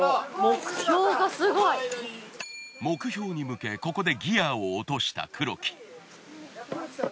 目標に向けここでギアを落とした黒木。